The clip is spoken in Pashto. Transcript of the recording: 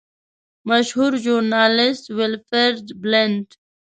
مشهور ژورنالیسټ ویلفریډ بلنټ.